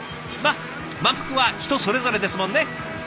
満腹は人それぞれですもんね。